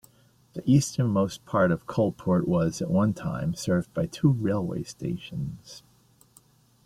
The easternmost part of Coalport was, at one time, served by two railway stations.